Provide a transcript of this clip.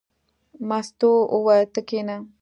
مستو وویل: ته کېنه.